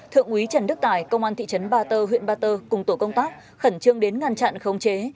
thượng úy trần đức tài công an thị trấn ba tơ huyện ba tơ cùng tổ công tác khẩn trương đến ngăn chặn khống chế